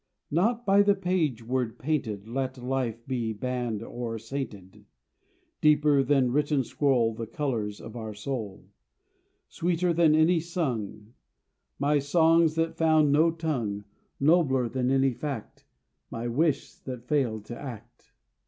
Not by the page word painted Let life be banned or sainted: Deeper than written scroll The colors of the soul. Sweeter than any sung My songs that found no tongue Nobler than any fact My wish that failed to act.